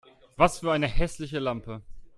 Was für eine hässliche Lampe